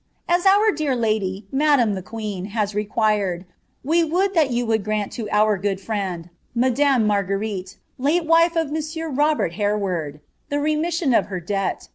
As our dear lady, madame the queen, has required, we would that you would grant to our good friend ma dame Marguerite, late wife of Monsieur Robert llereward, the remission of her debt.